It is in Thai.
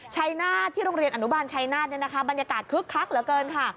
ชัยนาธที่โรงเรียนอนุบาลชัยนาธบรรยากาศคึกคักเหลือเกินค่ะ